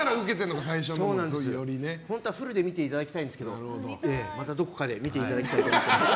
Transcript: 本当はフルで見ていただきたいんですけどまたどこかで見ていただきたいと思います。